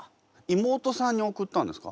妹さんに送ったんですか？